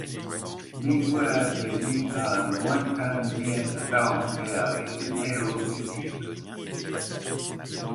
Miguel Delibes a un lointain lien de parenté avec Léo Delibes.